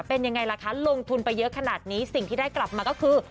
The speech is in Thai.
เป็นยังไงล่ะคะลงทุนไปเยอะขนาดนี้สิ่งที่ได้กลับมาก็คือ